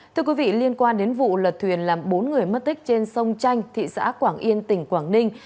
thưa quý vị liên quan đến vụ lật thuyền làm bốn người mất tích trên sông chanh thị xã quảng yên tỉnh quảng ninh